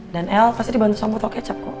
dan el pasti dibantu sama botol kecap kok